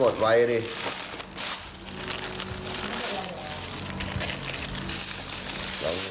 ลองสดมือเหลืองนึงละเอาให้ดีครับเราต่อนะครับ